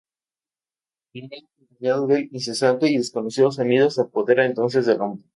El miedo acompañado del incesante y desconocido sonido se apodera entonces del hombre.